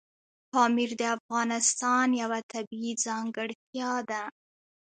پامیر د افغانستان یوه طبیعي ځانګړتیا ده.